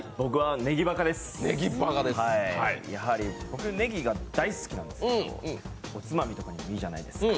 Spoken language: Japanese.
僕、ねぎが大好きなんですよおつまみとかにもいいじゃないですか。